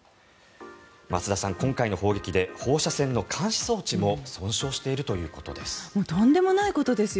増田さん、今回の砲撃で放射線の監視装置も損傷しているということです。